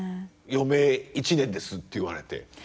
余命１年ですって言われて？